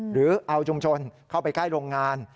หรือเอาชุมชนเข้าไปใกล้โรงงาน